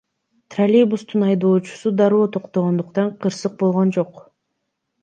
Троллейбустун айдоочусу дароо токтогондуктан кырсык болгон жок.